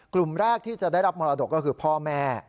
กลุ่มแรกที่จะได้รับมรดกก็คือพ่อแม่